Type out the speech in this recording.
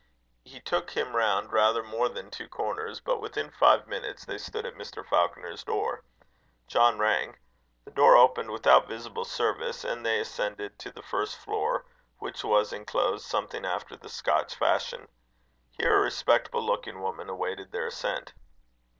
He took him round rather more than two corners; but within five minutes they stood at Mr. Falconer's door. John rang. The door opened without visible service, and they ascended to the first floor, which was enclosed something after the Scotch fashion. Here a respectable looking woman awaited their ascent.